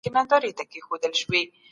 وخت د سرو زرو ارزښت لري.